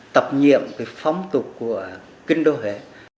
tập nhiệm cái phóng tục của kinh đô huệ